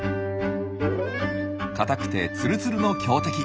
硬くてツルツルの強敵。